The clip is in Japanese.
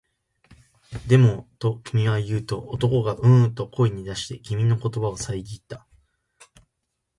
でも、と君は言うと、男がううんと声に出して、君の言葉をさえぎった